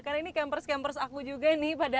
karena ini campers campers aku juga nih pada